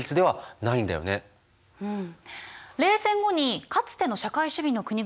うん。